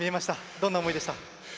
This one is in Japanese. どんな思いでした？